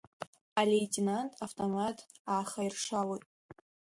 Алеитенант автомат аахаиршалоит.